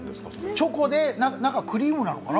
チョコでクリームなのかな？